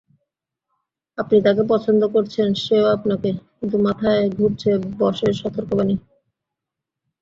আপনি তাঁকে পছন্দ করছেন, সে-ও আপনাকে, কিন্তু মাথায় ঘুরছে বসের সতর্কবাণী।